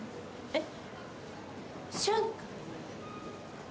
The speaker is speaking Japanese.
えっ？